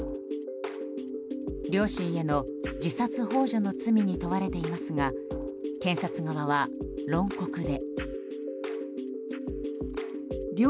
両親への自殺幇助の罪に問われていますが検察側は論告で。